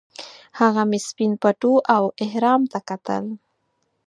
هغه مې سپین پټو او احرام ته کتل.